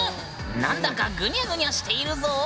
何だかグニャグニャしているぞ！